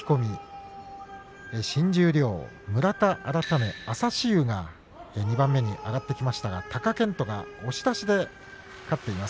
新十両村田改め朝志雄が２番目にあたってきましたが貴健斗が押し出しで勝っています。